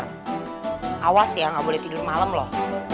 rafa awas ya nggak boleh tidur malem loh